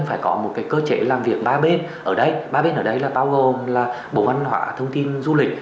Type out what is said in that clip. phải có một cách cơ chế làm việc ba bên ở đáy máy ở đây là bao gồm là bồn văn hóa thông tin du lịch